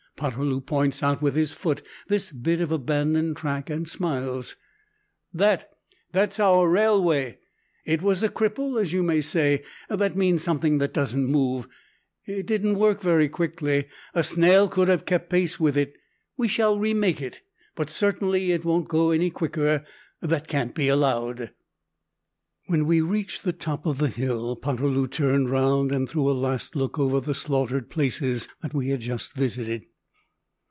Poterloo points out with his foot this bit of abandoned track, and smiles; "That, that's our railway. It was a cripple, as you may say; that means something that doesn't move. It didn't work very quickly. A snail could have kept pace with it. We shall remake it. But certainly it won't go any quicker. That can't be allowed!" When we reached the top of the hill, Poterloo turned round and threw a last look over the slaughtered places that we had just visited.